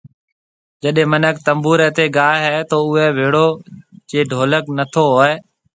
جڏي منک تنبوري تي گاوي ھيَََ تو اوئي ڀيڙو جي ڍولڪ نٿو ھوئي